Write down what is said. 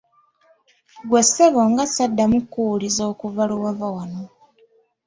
Gwe ssebo nga saddamu kkuwuliza okuva lwe wava wano?